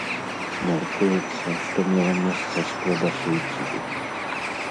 Мяркуецца, што мела месца спроба суіцыду.